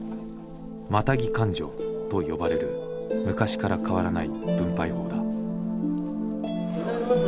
「マタギ勘定」と呼ばれる昔から変わらない分配法だ。